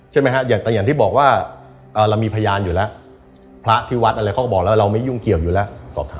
ใช่ไหมฮะอย่างแต่อย่างที่บอกว่าเรามีพยานอยู่แล้วพระที่วัดอะไรเขาก็บอกแล้วเราไม่ยุ่งเกี่ยวอยู่แล้วสอบถาม